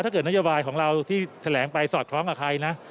เกิดนโยบายของเราที่แถลงไปสอดคล้องกับใครนะ